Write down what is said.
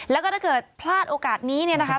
แล้วก็ถ้าเกิดพลาดโอกาสนี้เนี่ยนะคะ